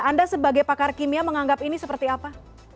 anda sebagai pakar kimia menganggap ini seperti apa